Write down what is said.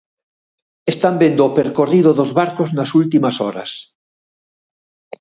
Están vendo o percorrido dos barcos nas últimas horas.